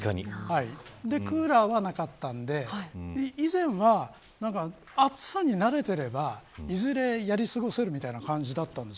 クーラーはなかったので以前は、暑さに慣れていればいずれやり過ごせるみたいな感じでした。